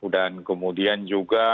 dan kemudian juga